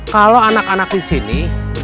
kalau anak anak disini